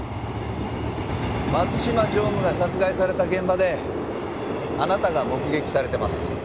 松島常務が殺害された現場であなたが目撃されています。